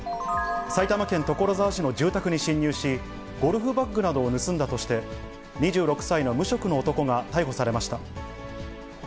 埼玉県所沢市の住宅に侵入し、ゴルフバッグなどを盗んだとして、２６歳の無職の男が逮捕されました。